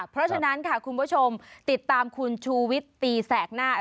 เพราะฉะนั้นค่ะคุณผู้ชมติดตามคุณชูวิทย์ตีแสกหน้า